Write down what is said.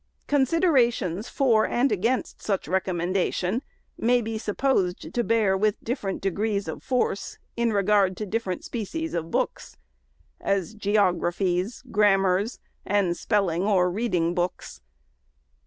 Considerations for and against such rec ommendation may be supposed to bear with different degrees of force, in regard to different species of books ;— as geographies, grammars, and spelling or reading books.